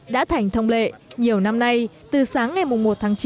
đã thành thông lệ nhiều năm nay từ sáng ngày một tháng chín